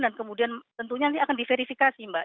dan kemudian tentunya nanti akan diverifikasi mbak